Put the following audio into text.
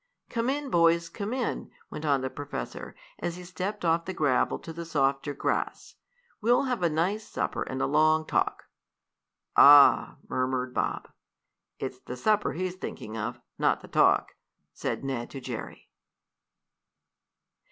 "Come in, boys, come in!" went on the professor, as he stepped off the gravel to the softer grass. "We'll have a nice supper and a long talk." "Ah!" murmured Bob. "It's the supper he's thinking of, not the talk," said Ned to Jerry.